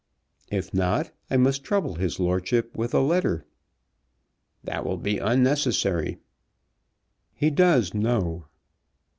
"If not, I must trouble his lordship with a letter." "That will be unnecessary." "He does know."